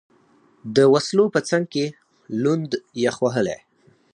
د وسلو په څنګ کې، لوند، یخ وهلی.